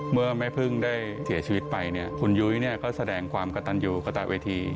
แม่พึ่งได้เสียชีวิตไปเนี่ยคุณยุ้ยก็แสดงความกระตันอยู่กระตะเวที